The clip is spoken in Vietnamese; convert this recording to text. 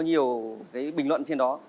nhiều cái bình luận trên đó